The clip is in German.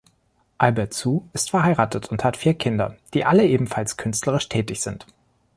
Albert Sous ist verheiratet und hat vier Kinder, die alle ebenfalls künstlerisch tätig sind.